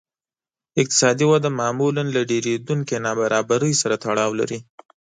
اقتصادي وده معمولاً له ډېرېدونکې نابرابرۍ سره تړاو لري